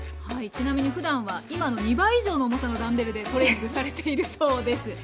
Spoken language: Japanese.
はいちなみにふだんは今の２倍以上の重さのダンベルでトレーニングされているそうです。